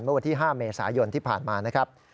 เมื่อวันที่๕เมษายนที่ผ่านมานะครับ